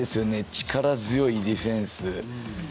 力強いディフェンス。